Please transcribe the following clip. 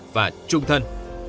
và trung thân